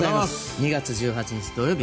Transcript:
２月１８日土曜日